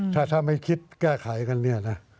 ถ้าไม่คิดแก้ไขกัน